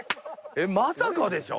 えっまさかでしょ？